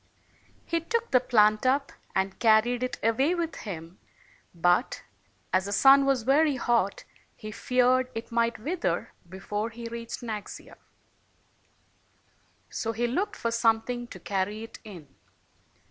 He took the plant up and carried it away with him ; but as the sun was very hot, he feared it might wither before he reached Naxia. So he looked for something to carry it in.